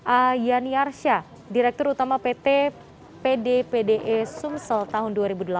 ayan yarsya direktur utama pt pd pde sumsel tahun dua ribu delapan